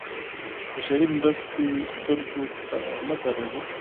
بشري مرستې سترګو ته نه درېږي.